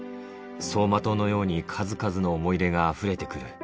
走馬灯のように数々の思い出があふれてくる。